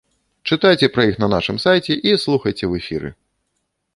Чытайце пра іх на нашым сайце і слухайце ў эфіры!